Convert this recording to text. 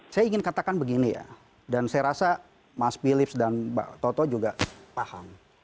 saya ingin katakan begini ya dan saya rasa mas philips dan mbak toto juga paham